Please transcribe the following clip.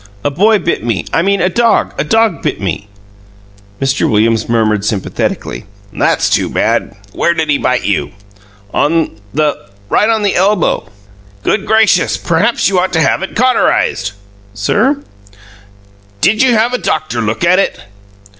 A boy bit me I mean a dog a dog bit me." Mr. Williams murmured sympathetically: "That's too bad! Where did he bite you?" "On the right on the elbow." "Good gracious! Perhaps you ought to have it cauterized." "Sir?" "Did you have a doctor look at it?"